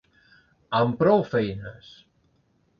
Amb prou feines.